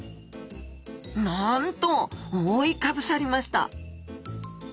なんと覆いかぶさりました！